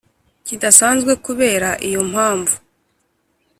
kidasanzwe kubera iyo mpamvu